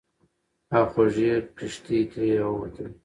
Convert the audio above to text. او خوږې کیښتې ترې راووتلې.